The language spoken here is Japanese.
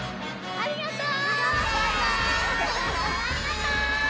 ありがとう！